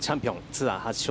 ツアー８勝。